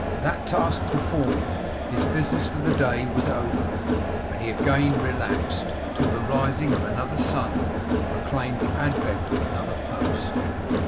That task performed, his business for the day was over; and he again relaxed, until the rising of another sun proclaimed the advent of another post.